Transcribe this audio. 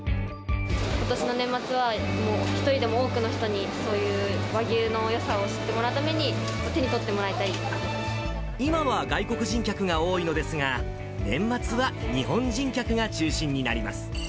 ことしの年末は一人でも多くの人に、そういう和牛のよさを知ってもらうために、今は外国人客が多いのですが、年末は日本人客が中心になります。